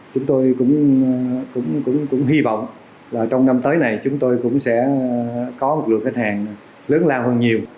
chúng tôi cũng hy vọng là trong năm tới này chúng tôi cũng sẽ có một lượng khách hàng lớn lao hơn nhiều